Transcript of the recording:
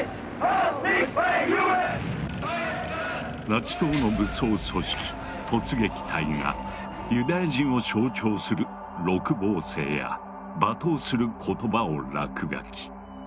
ナチ党の武装組織「突撃隊」がユダヤ人を象徴する六芒星や罵倒する言葉を落書き。